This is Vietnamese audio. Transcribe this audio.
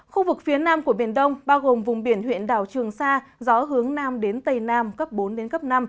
khu vực phía nam của biển đông bao gồm vùng biển huyện đảo trường sa gió hướng nam đến tây nam cấp bốn đến cấp năm